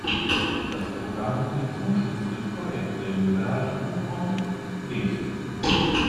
Das Programm bezuschusste Projekte im Bereich "Buch und Lesen".